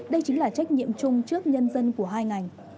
đây chính là trách nhiệm chung trước nhân dân của hai ngành